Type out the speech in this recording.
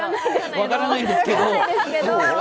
分からないんです。